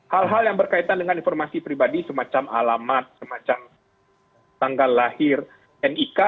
hal hal yang berkaitan dengan informasi pribadi semacam alamat semacam tanggal lahir nik